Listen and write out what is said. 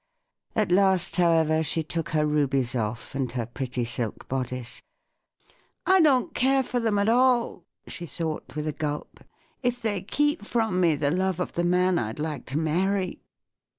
At last, however, she took her rubies off, and her pretty silk bodice. " I don't care for them at all," she thought, with a gulp, " if they keep from me the love of the man I'd like to marry."